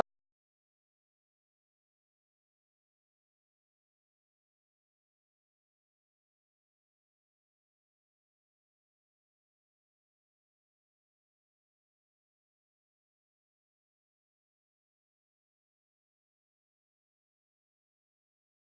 โปรดติดตามตอนต่อไป